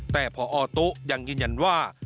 แต่พอตุ๊ยังยืนยันว่า